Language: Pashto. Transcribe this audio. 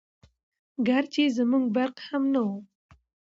ګرچې زموږ برق هم نه وو🤗